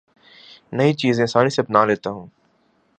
نئی چیزیں آسانی سے اپنا لیتا ہوں